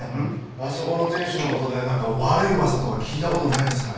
あそこの店主の事でなんか悪い噂とか聞いた事ないですかね？